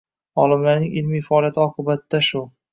Olimlarning ilmiy faoliyati oqibatida shu.